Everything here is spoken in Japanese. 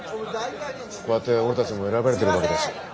こうやって俺たちも選ばれてるわけだし。